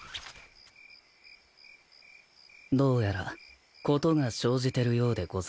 どうやら事が生じてるようでござるな。